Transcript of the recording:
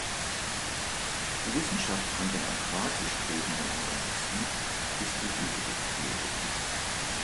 Die Wissenschaft von den aquatisch lebenden Organismen ist die Hydrobiologie.